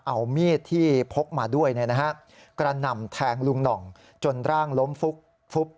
เอามีดที่พกมาด้วยกระหน่ำแทงลุงหน่องจนร่างล้มฟุบ